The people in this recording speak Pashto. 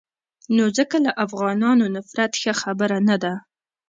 نو ځکه له افغانانو نفرت ښه خبره نه ده.